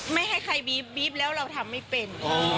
ไม่ให้ใครบี๊บแล้วเราทำไม่เป็น